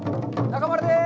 中丸です。